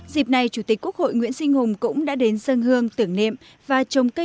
dịp này chủ tịch quốc hội nguyễn sinh hùng cũng đã đến sân hương tưởng niệm và trồng cây